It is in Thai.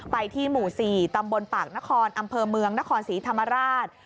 ไปที่หมู่๔ตำบลปากนครอำเภอเมืองนครศรีธรรมราช